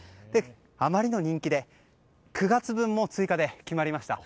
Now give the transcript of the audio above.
あまりの人気で９月分も追加で決まりました。